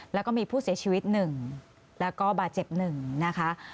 แล้วก็มีผู้เสียชีวิตหนึ่งแล้วก็บาดเจ็บหนึ่งนะคะ